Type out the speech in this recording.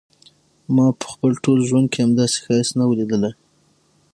ما په خپل ټول ژوند کې همداسي ښایست نه و ليدلی.